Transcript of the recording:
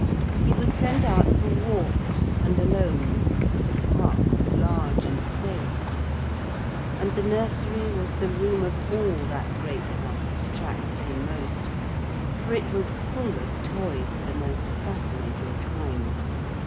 He was sent out for walks, and alone, for the park was large and safe. And the nursery was the room of all that great house that attracted him most, for it was full of toys of the most fascinating kind.